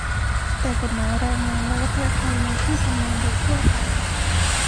แต่กฎหมายแรงงานและวัฒนธรรมในที่ทำงานโดยทั่วไป